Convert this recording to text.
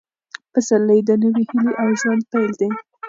پسرلی د نوې هیلې او ژوند پیل دی.